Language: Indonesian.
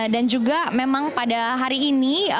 dan juga memang pada hari ini